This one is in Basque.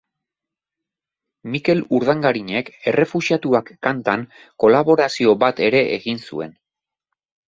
Mikel Urdangarinek Errefuxiatuak kantan kolaborazio bat ere egin zuen.